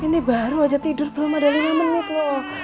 ini baru aja tidur belum ada lima menit loh